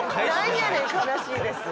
なんやねん「悲しいです」。